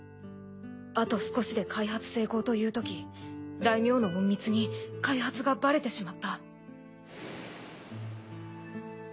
あと少しで開発成功というとき大名の隠密に開発がバレてしまった。